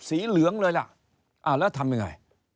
เหลืองเลยล่ะแล้วทำยังไง